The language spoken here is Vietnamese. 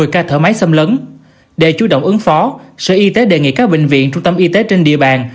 một mươi ca thở máy xâm lấn để chú động ứng phó sở y tế đề nghị các bệnh viện trung tâm y tế trên địa bàn